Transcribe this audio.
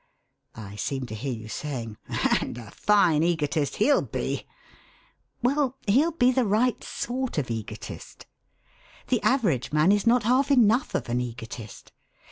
I seem to hear you saying: 'And a fine egotist he'll be!' Well, he'll be the right sort of egotist. The average man is not half enough of an egotist.